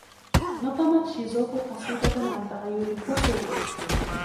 نظمت شيزوكو قصيدة عن تغيّر الفصول.